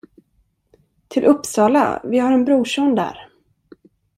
Till Uppsala, vi har en brorson där.